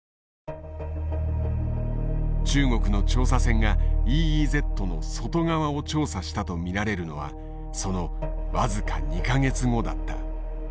中国の調査船がＥＥＺの外側を調査したと見られるのはその僅か２か月後だった。